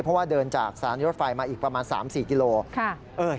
เพราะว่าเดินจากสถานีรถไฟมาอีกประมาณ๓๔กิโลกรัม